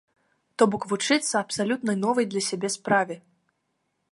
То бок вучыцца абсалютна новай для сябе справе.